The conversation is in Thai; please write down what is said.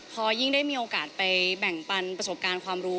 พอยิ่งได้มีโอกาสไปแบ่งปันประสบการณ์ความรู้